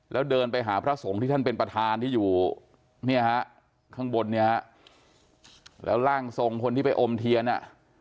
แล้วเดินไปหาพระสงฆ์ที่ท่านเป็นประธานที่อยู่เนี่ยฮะข้างบนเนี่ยฮะแล้วร่างทรงคนที่ไปอมเทียนอ่ะ